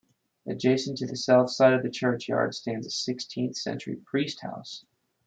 Adjacent to the south side of the church yard stands a sixteenth-century priest house.